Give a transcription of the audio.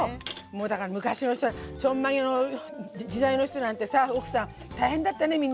もうだから昔の人ちょんまげの時代の人なんてさ奥さん大変だったねみんなね。